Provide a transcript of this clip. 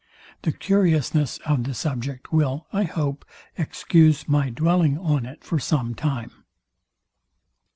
The curiousness of the subject will, I hope, excuse my dwelling on it for some time.